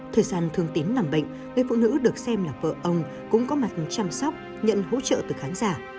thời gian thương tín nằm bệnh người phụ nữ được xem là vợ ông cũng có mặt chăm sóc nhận hỗ trợ từ khán giả